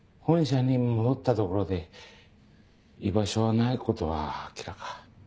本社に戻ったところで居場所はないことは明らか。